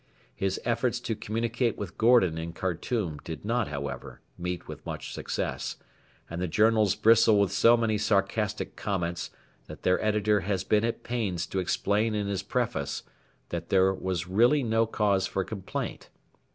His efforts to communicate with Gordon in Khartoum did not, however, meet with much success, and the Journals bristle with so many sarcastic comments that their editor has been at pains to explain in his preface that there was really no cause for complaint.